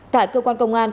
tại cơ quan công an